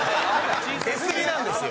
出すぎなんですよ。